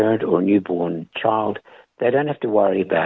mereka tidak perlu khawatir tentang pembayaran